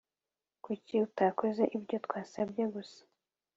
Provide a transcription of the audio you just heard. Kuki utakoze ibyo twasabye gusa